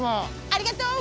ありがとう。